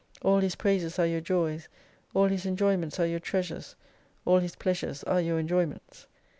All His praises are your joys, all His enjoyments are your treasures, all His pleasures are your enjoyments.